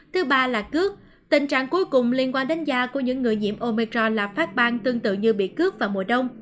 thứ ba là cướp tình trạng cuối cùng liên quan đến da của những người nhiễm ometro là phát bang tương tự như bị cướp vào mùa đông